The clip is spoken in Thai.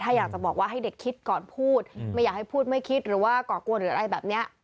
ถ้าอยากจะบอกว่าให้เด็กคิดก่อนพูดไม่อยากให้พูดไม่คิดหรือว่าก่อกวนหรืออะไรแบบนี้